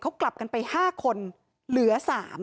เขากลับกันไป๕คนเหลือ๓